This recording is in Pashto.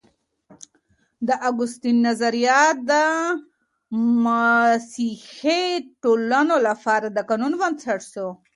د اګوستين نظريات د مسيحي ټولنو لپاره د قانون بنسټ سو.